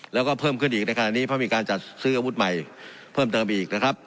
แล้วก็เพิ่มขึ้นอีกในขณะนี้เพราะมีการจัดซื้ออาวุธใหม่เพิ่มเติมอีกนะครับ